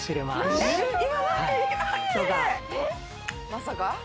まさか？